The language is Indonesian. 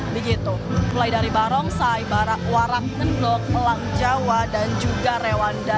begitu mulai dari barongsai warak ngendok melang jawa dan juga rewanda